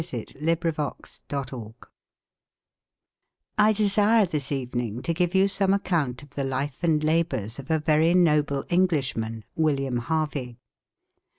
Huxley I DESIRE this evening to give you some account of the life and labours of a very noble Englishman William Harvey.